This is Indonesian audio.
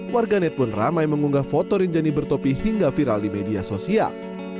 warganet pun ramai mengunggah foto rinjani bertopi hingga viral di media sosial